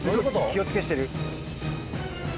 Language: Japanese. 「気を付け」してる。